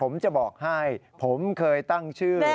ผมจะบอกให้ผมเคยตั้งชื่อ